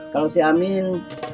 kalau si amin